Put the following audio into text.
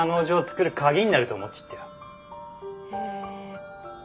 へえ。